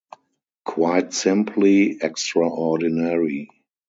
Quite simply, extraordinary.